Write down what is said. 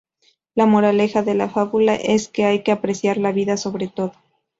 La moraleja de la fábula, es que hay que apreciar la vida sobre todo.